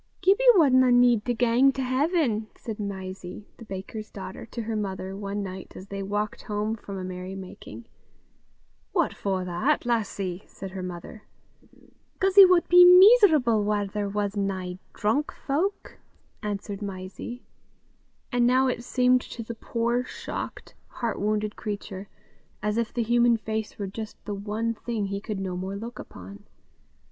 "Gibbie wadna need to gang to haiven," said Mysie, the baker's daughter, to her mother one night, as they walked home from a merry making. "What for that, lassie?" returned her mother. "Cause he wad be meeserable whaur there was nae drunk fowk," answered Mysie. And now it seemed to the poor, shocked, heart wounded creature, as if the human face were just the one thing he could no more look upon.